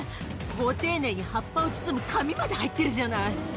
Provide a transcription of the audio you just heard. ご丁寧に葉っぱを包む紙まで入ってるじゃない。